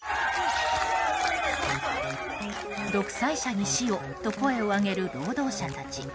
独裁者に死を！と声を上げる労働者たち。